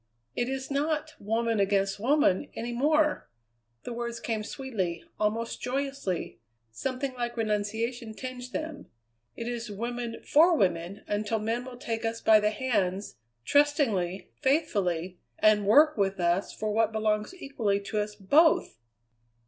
"It is not woman against woman any more." The words came sweetly, almost joyously; something like renunciation tinged them. "It is woman for woman until men will take us by the hands, trustingly, faithfully, and work with us for what belongs equally to us both!"